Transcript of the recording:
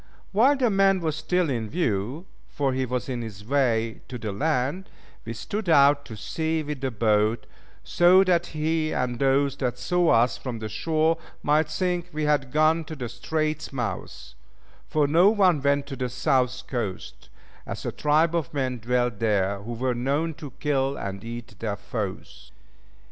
While the man was still in view (for he was on his way to the land), we stood out to sea with the boat, so that he and those that saw us from the shore might think we had gone to the straits' mouth, for no one went to the South coast, as a tribe of men dwelt there who were known to kill and eat their foes.